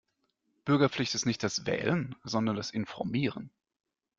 Bürgerpflicht ist nicht das Wählen sondern das Informieren.